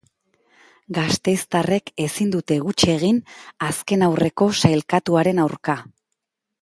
Gasteiztarrek ezin dute huts egin azken aurreko sailkatuaren aurka.